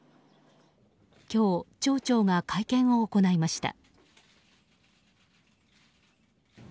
今日、町長が会見を行いました。